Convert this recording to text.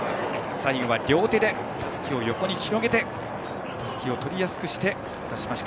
最後は両手でたすきを横に広げてたすきを取りやすくして渡しました。